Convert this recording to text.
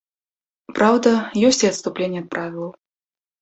Праўда, ёсць і адступленні ад правілаў.